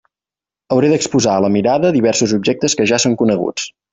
Hauré d'exposar a la mirada diversos objectes que ja són coneguts.